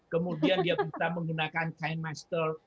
kemudian dia bisa menggunakan kinemaster